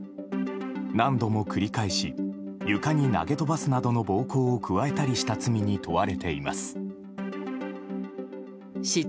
何度も繰り返し床に投げ飛ばすなどの暴行を加えたりした罪に問われています。